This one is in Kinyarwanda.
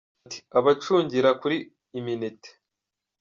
Ati :« abo abacungira kuri uminité